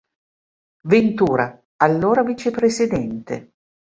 Ventura, allora vicepresidente.